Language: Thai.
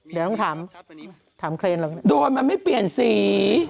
เดี๋ยวต้องถามถามเครนหรอกโดนมันไม่เปลี่ยนสี